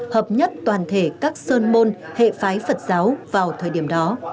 hợp nhất toàn thể các sơn môn hệ phái phật giáo vào thời điểm đó